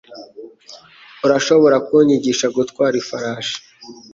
Urashobora kunyigisha gutwara ifarashi?